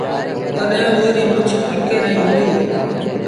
تڏهيݩ اُئي ريٚ مڇ ڦڙڪي رهيٚ هُݩدي۔